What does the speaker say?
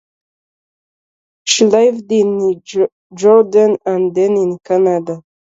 She lived in Jordan and then in Canada.